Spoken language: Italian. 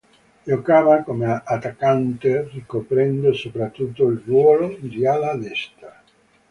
Giocava come attaccante, ricoprendo soprattutto il ruolo di ala destra.